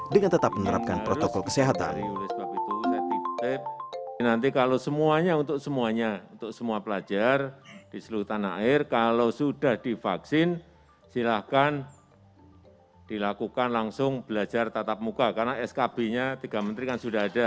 dengan tetap menerapkan protokol kesehatan